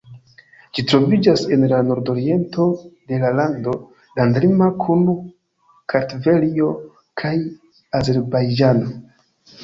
Ĝi troviĝas en la nordoriento de la lando, landlima kun Kartvelio kaj Azerbajĝano.